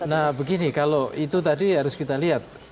nah begini kalau itu tadi harus kita lihat